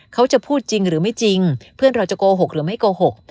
เขาจะพูดจริงหรือไม่จริงเพื่อนเราจะโกหกหรือไม่โกหก